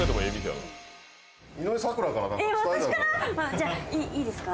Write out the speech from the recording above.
じゃあいいですか？